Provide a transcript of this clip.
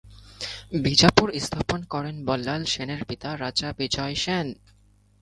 বিজাপুর স্থাপন করেন বল্লাল সেনের পিতা রাজা বিজয় সেন।